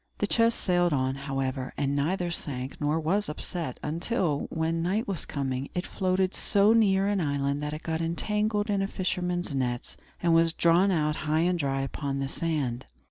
The chest sailed on, however, and neither sank nor was upset; until, when night was coming, it floated so near an island that it got entangled in a fisherman's nets, and was drawn out high and dry upon the sand.